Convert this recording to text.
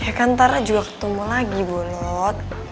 ya kan ntar juga ketemu lagi bulut